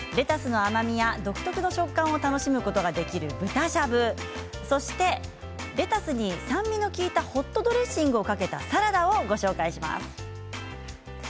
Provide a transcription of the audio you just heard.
独特の食感を楽しむことができる豚しゃぶそしてレタスに酸味の利いたホットドレッシングをかけたサラダをご紹介します。